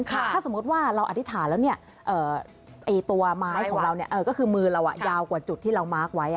ถ้าสมมุติว่าเราอธิษฐานแล้วตัวไม้ของเราก็คือมือเรายาวกว่าจุดที่เรามาร์คไว้